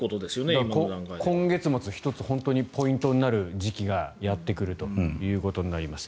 今月末ポイントになる時期がやってくるということになります。